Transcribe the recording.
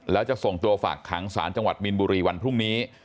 แล้วจะส่งตัวฝากขังสารจังหวัดมีนบุรีวันพรุ่งนี้